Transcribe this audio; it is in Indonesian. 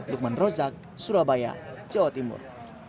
lukman rozak surabaya jawa timur